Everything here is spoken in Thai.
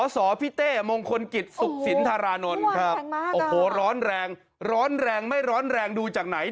สอพี่เต้มงคลกิจสุขสินธารานนท์ครับโอ้โหร้อนแรงร้อนแรงไม่ร้อนแรงดูจากไหน